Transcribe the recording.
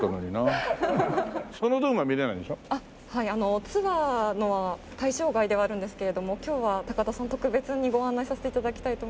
あのツアーの対象外ではあるんですけれども今日は高田さん特別にご案内させて頂きたいと思います。